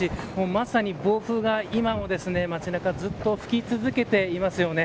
まさに暴風が今も街中にずっと吹き続けていますよね。